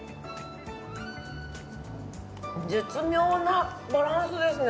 絶妙なバランスですね。